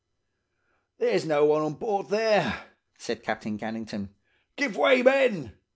"'There's no one on board there!' said Captain Gannington. 'Give way, men!